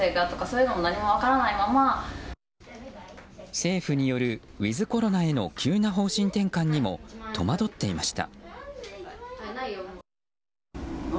政府によるウィズコロナへの急な方針転換にも戸惑っていました。